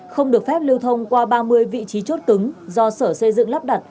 không được phép lưu thông qua ba mươi vị trí chốt cứng do sở xây dựng lắp đặt